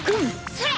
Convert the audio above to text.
それ！